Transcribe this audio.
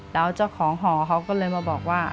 แล้วเจ้าของหอเขาก็เลยมาบอกว่า